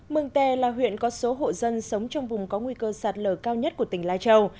mừng tè là huyện có số hộ dân sống trong vùng có nguy cơ sạt lở cao nhất của tỉnh lai châu